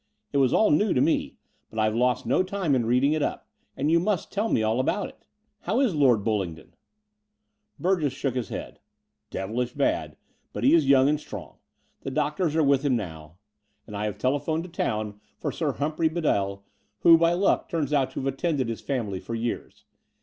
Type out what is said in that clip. It was all new to me, but I've lost no time in read ing it up : and you must tell me all about it. How is Lord BuUingdon ?*' Burgess shook his head. "Devilish bad: but he is yoimg and strong. The doctors are with him now; and I have tele 72 The Door of the Vnfeal phoned to town for Sir Humphrey Bedell who, by luck, turns out to have attended his family for years.